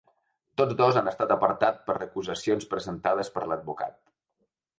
Tots dos han estat apartats per recusacions presentades per l’advocat.